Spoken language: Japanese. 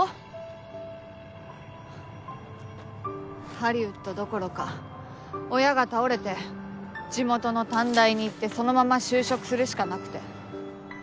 ハリウッドどころか親が倒れて地元の短大に行ってそのまま就職するしかなくて。